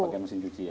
pakai mesin cuci ya